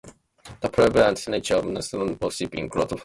The prevalent nature of Naga worship in Goa further supports this fact.